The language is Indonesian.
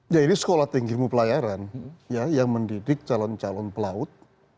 ya ini sekolah tinggi mu pelayaran yang mendidik calon calon pelaut